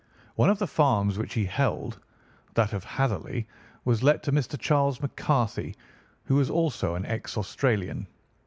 One of the farms which he held, that of Hatherley, was let to Mr. Charles McCarthy, who was also an ex Australian.